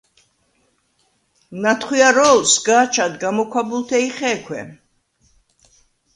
ნათხვიარო̄ლ სგა̄ჩად გამოქვაბულთე ი ხე̄ქვე: